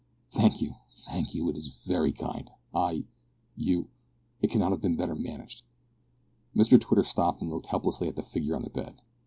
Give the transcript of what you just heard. "Thank you thank you. It is very kind. I you it could not have been better managed." Mr Twitter stopped and looked helplessly at the figure on the bed.